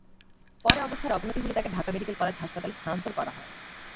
পরে অবস্থার অবনতি হলে তাঁকে ঢাকা মেডিকেল কলেজ হাসপাতালে স্থানান্তর করা হয়।